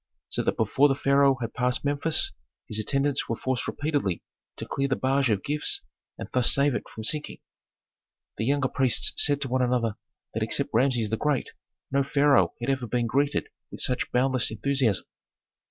So that before the pharaoh had passed Memphis, his attendants were forced repeatedly to clear the barge of gifts and thus save it from sinking. The younger priests said to one another that except Rameses the Great no pharaoh had ever been greeted with such boundless enthusiasm.